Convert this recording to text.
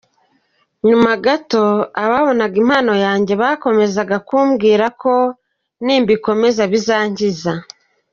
Nyuma gato ababonaga impano yanjye bakomezaga kumbwira ko nimbikomeza , bizankiza.